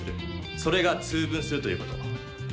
それが「通分」するということ。